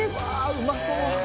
うまそう。